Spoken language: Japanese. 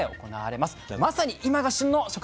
まさに今が旬の食材です。